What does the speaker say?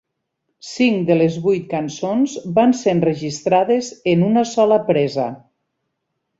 Cinc de les vuit cançons van ser enregistrades en una sola presa.